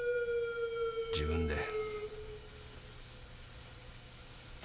自分で。